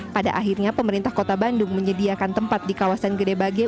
pada akhirnya pemerintah kota bandung menyediakan tempat di kawasan gede bage